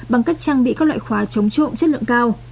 bằng cách trang bị các loại khóa chống trộm chất lượng cao